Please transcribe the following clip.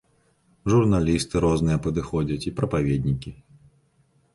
Журналісты розныя падыходзяць і прапаведнікі.